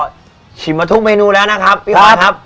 ถ้าชิมมีเสมอทุกเมนูนะครับ